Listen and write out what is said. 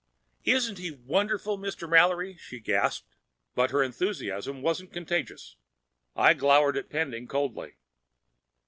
"Isn't he wonderful, Mr. Mallory?" she gasped. But her enthusiasm wasn't contagious. I glowered at Pending coldly.